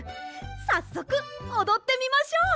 さっそくおどってみましょう。